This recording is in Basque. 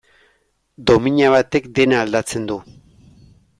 Domina batek dena aldatzen du.